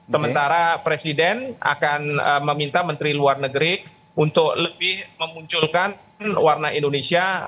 sementara presiden akan meminta menteri luar negeri untuk lebih memunculkan warna indonesia